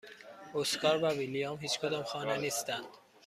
اسکار و ویلیام هیچکدام خانه نیستند.